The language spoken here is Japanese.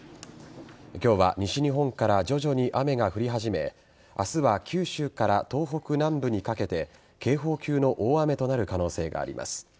今日は西日本から徐々に雨が降り始め明日は九州から東北南部にかけて警報級の大雨となる可能性があります。